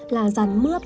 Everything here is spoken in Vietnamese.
là ràn mướp